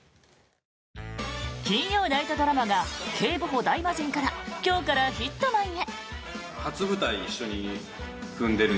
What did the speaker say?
金曜ナイトドラマが「警部補ダイマジン」から「今日からヒットマン」へ。